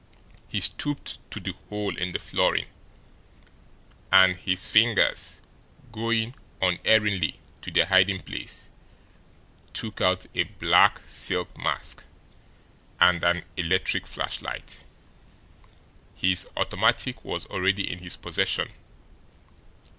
He stooped to the hole in the flooring, and, his fingers going unerringly to their hiding place, took out a black silk mask and an electric flashlight his automatic was already in his possession.